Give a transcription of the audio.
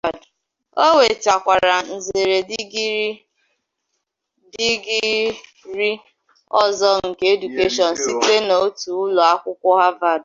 O nwetakwara nzere digiri ọzọ nke Education site n'otu ụlọ akwukwọ Havard ahụ.